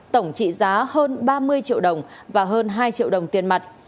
tổng trị giá hơn ba mươi triệu đồng và hơn hai triệu đồng tiền mặt